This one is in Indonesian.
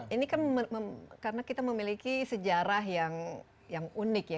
ini kan karena kita memiliki sejarah yang unik ya